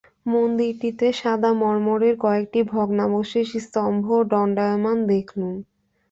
মন্দিরটিতে সাদা মর্মরের কয়েকটি ভগ্নাবশেষ স্তম্ভও দণ্ডায়মান দেখলুম।